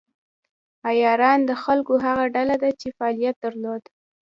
عیاران د خلکو هغه ډله ده چې فعالیت درلود.